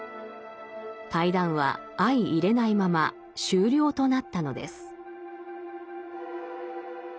対談は相いれないまま終了となったのです。